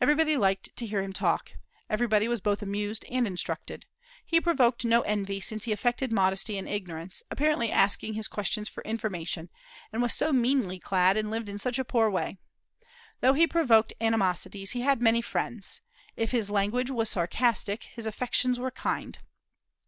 Everybody liked to hear him talk. Everybody was both amused and instructed. He provoked no envy, since he affected modesty and ignorance, apparently asking his questions for information, and was so meanly clad, and lived in such a poor way. Though he provoked animosities, he had many friends. If his language was sarcastic, his affections were kind.